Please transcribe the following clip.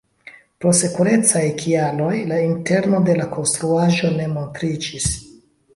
Pro sekurecaj kialoj la interno de la konstruaĵo ne montriĝis.